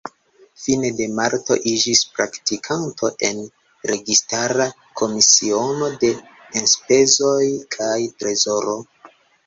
Fine de marto iĝis praktikanto en Registara Komisiono de Enspezoj kaj Trezoro.